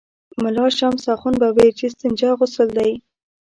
ملا شمس اخند به ویل چې استنجا غسل دی.